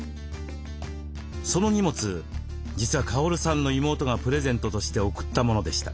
その荷物実はカオルさんの妹がプレゼントとして送ったものでした。